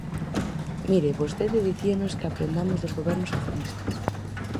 Mire, vostede dicíanos que aprendamos dos gobernos socialistas.